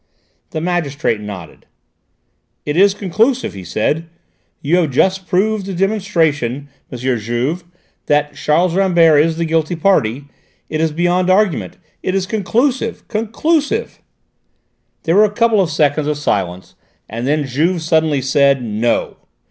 The magistrate nodded. "It is conclusive," he said. "You have just proved to demonstration, M. Juve, that Charles Rambert is the guilty party. It is beyond argument. It is conclusive conclusive!" There were a couple of seconds of silence, and then Juve suddenly said "No!"